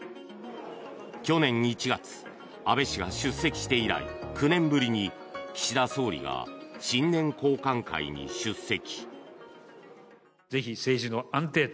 去年１月安倍氏が出席して以来９年ぶりに岸田総理が新年交歓会に出席。